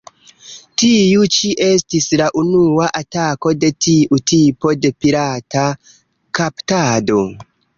Tiu ĉi estis la unua atako de tiu tipo de pirata "kaptado".